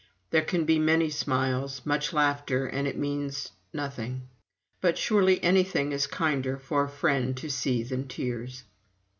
There can be many smiles, much laughter, and it means nothing. But surely anything is kinder for a friend to see than tears!